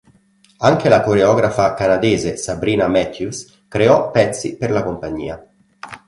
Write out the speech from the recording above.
Anche la coreografa canadese Sabrina Matthews creò pezzi per la compagnia.